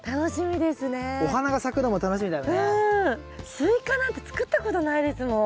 スイカなんて作ったことないですもん。